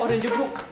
oh ada jebuk